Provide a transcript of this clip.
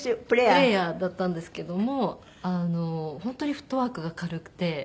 プレーヤーだったんですけども本当にフットワークが軽くて。